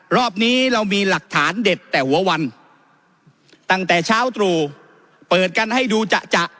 รอบนี้เรามีหลักฐานเด็ดแต่หัววันตั้งแต่เช้าตรู่เปิดกันให้ดูจะจะ